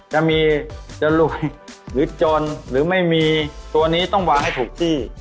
จะมีจะรวยหรือจนหรือไม่มีตัวนี้ต้องวางให้ถูกที่